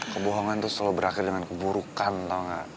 kebohongan tuh selalu berakhir dengan keburukan tau gak